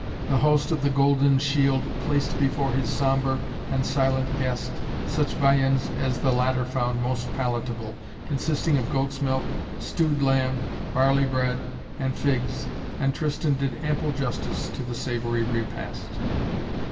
The host of the Golden Shield placed before his sombre and silent guest such viands as the latter found most palatable, consisting of goat's milk, stewed lamb, barley bread and figs, and Tristan did ample justice to the savory repast.